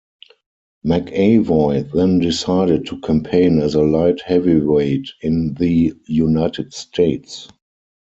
McAvoy then decided to campaign as a light heavyweight in the United States.